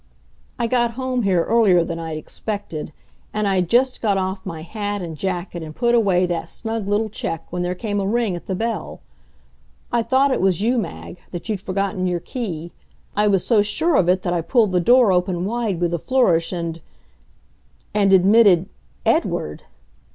I got home here earlier than I'd expected, and I'd just got off my hat and jacket and put away that snug little check when there came a ring at the bell. I thought it was you, Mag that you'd forgotten your key. I was so sure of it that I pulled the door open wide with a flourish and And admitted Edward!